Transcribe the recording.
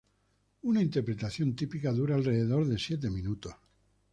Una interpretación típica dura alrededor de siete minutos.